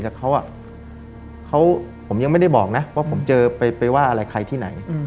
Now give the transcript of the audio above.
แต่เขาผมยังไม่ได้บอกนะว่าผมเจอไปว่าอะไรใครที่ไหน